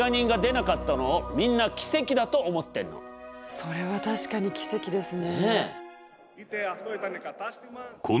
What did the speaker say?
それは確かに奇跡ですね。